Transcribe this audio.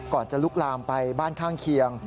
จะลุกลามไปบ้านข้างเคียง